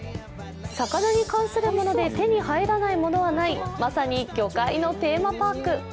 魚に関するもので手に入らないものはないまさに魚介のテーマパーク。